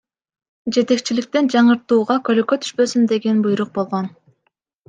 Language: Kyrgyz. Жетекчиликтен жаңыртууга көлөкө түшпөсүн деген буйрук болгон.